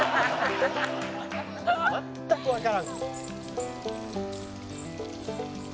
「全くわからん」